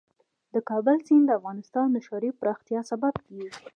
د کابل سیند د افغانستان د ښاري پراختیا سبب کېږي.